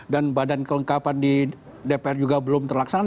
dan badan kelengkapan di dpr juga belum terlaksana